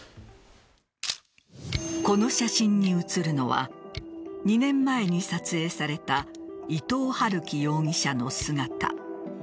この写真に写るのは２年前に撮影された伊藤龍稀容疑者の姿。